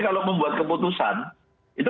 kalau membuat keputusan itu